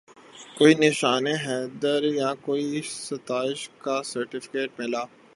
کوئی نشان حیدر یا کوئی ستائش کا سرٹیفکیٹ ملا